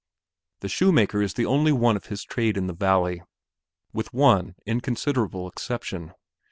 The shoemaker is the only one of his trade in the valley with one inconsiderable exception.